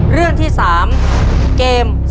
เรื่องที่สามเกมขนาด๓